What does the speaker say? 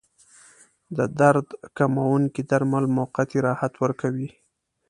د درد کموونکي درمل موقتي راحت ورکوي.